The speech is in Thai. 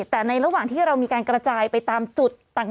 แต่ในระหว่างที่เรามีการกระจายไปตามจุดต่าง